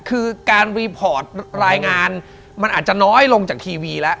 คือการรีพอร์ตรายงานมันอาจจะน้อยลงจากทีวีแล้ว